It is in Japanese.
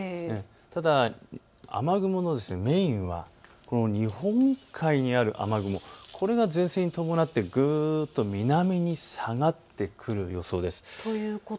ただ雨雲のメインはこの日本海にある雨雲、これが前線に伴ってぐっと南に下がってくる予想です。